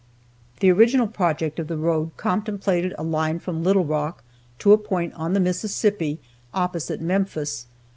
The original project of the road contemplated a line from Little Rock to a point on the Mississippi opposite Memphis.